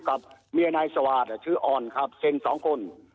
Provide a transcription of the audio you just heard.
กับเมียนายสวาสชื่ออ่อนครับเซ็งสองคน